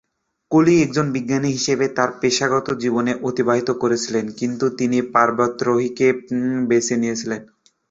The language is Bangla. কলি একজন বিজ্ঞানী হিসেবে তার পেশাগত জীবন অতিবাহিত করেছিলেন কিন্তু তিনি পর্বতারোহণকে বেছে নিয়েছিলেন।